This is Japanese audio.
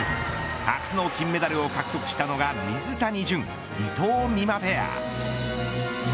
初の金メダルを獲得したのが水谷隼伊藤美誠ペア。